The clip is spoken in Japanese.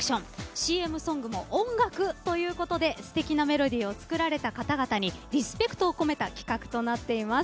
ＣＭソングも音楽ということですてきなメロディーを作られた方々にリスペクトを込めた企画となっています。